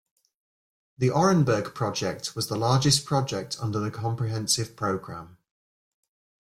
The Orenburg project was the largest project under the Comprehensive Program.